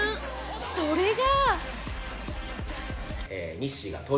それが。